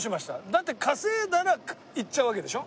だって稼いだら行っちゃうわけでしょ？